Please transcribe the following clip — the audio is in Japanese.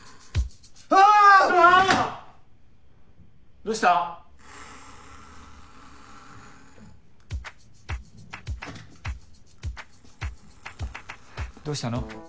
どうどうしたの？